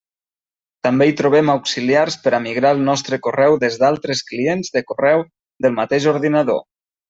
També hi trobem auxiliars per a migrar el nostre correu des d'altres clients de correu del mateix ordinador.